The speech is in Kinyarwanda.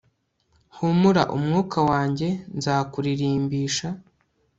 Humura mwuka wanjye nzakuririmbisha